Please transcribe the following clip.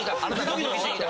ドキドキしてきた。